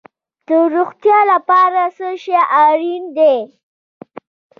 د روغتیا لپاره څه شی اړین دي؟